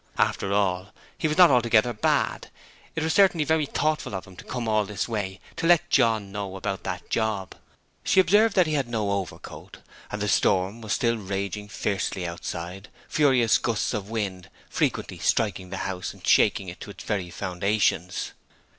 After all, he was not altogether bad: it was certainly very thoughtful of him to come all this way to let John know about that job. She observed that he had no overcoat, and the storm was still raging fiercely outside, furious gusts of wind frequently striking the house and shaking it to its very foundations.